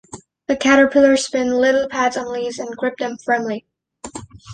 The caterpillars spin little pads on leaves and grip them firmly.